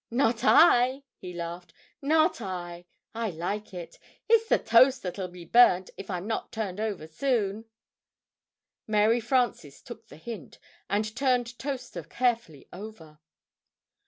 "Not I," he laughed, "not I. I like it. It's the toast that'll be burnt, if I'm not turned over soon." Mary Frances took the hint, and turned Toaster carefully over.